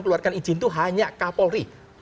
keluarkan izin itu hanya kapolri